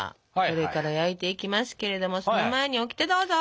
これから焼いていきますけれどもその前にオキテどうぞ！